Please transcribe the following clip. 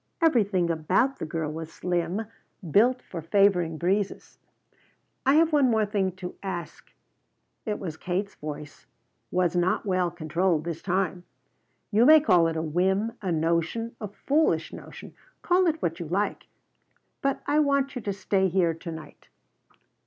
Everything about the girl was slim, built for favoring breezes. "I have one thing more to ask." It was Kate's voice was not well controlled this time. "You may call it a whim, a notion, foolish notion; call it what you like, but I want you to stay here to night."